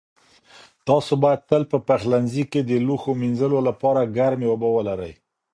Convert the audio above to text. تاسو باید تل په پخلنځي کې د لوښو مینځلو لپاره ګرمې اوبه ولرئ.